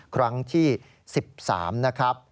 ครั้งที่๑๓นะครับ